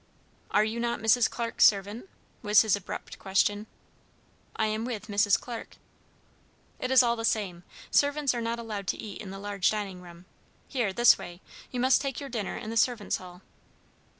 "Are you not Mrs. Clarke's servant?" was his abrupt question. "I am with Mrs. Clarke." "It is all the same; servants are not allowed to eat in the large dining room. Here, this way; you must take your dinner in the servants' hall."